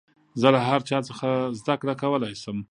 زه له هر چا څخه زدکړه کولاى سم.